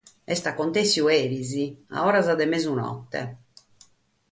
Est acontessidu eris a oras de mesu note.